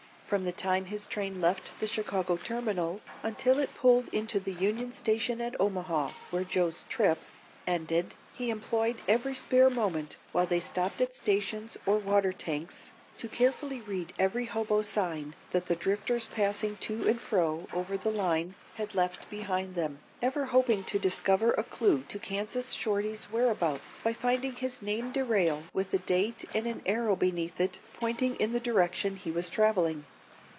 From the time his train left the Chicago Terminal until it pulled into the Union Station at Omaha, where Joe's "trip" ended, he employed every spare moment while they stopped at stations or water tanks, to carefully read every hobo sign that the drifters passing to and fro over the line had left behind them, ever hoping to discover a clue to Kansas Shorty's whereabouts by finding his name de rail with a date and an arrow beneath it pointing in the direction he was traveling.